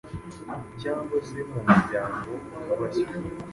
cyangwa se mu muryango wubashywe